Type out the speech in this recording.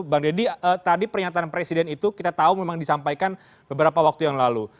bang deddy tadi pernyataan presiden itu kita tahu memang disampaikan beberapa waktu yang lalu